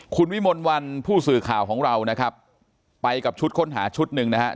คุณวิมลวันผู้สื่อข่าวของเรานะครับไปกับชุดค้นหาชุดหนึ่งนะฮะ